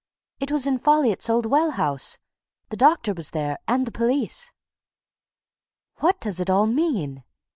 It was in Folliot's old well house. The doctor was there and the police." "What does it all mean?"